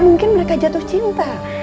mungkin mereka jatuh cinta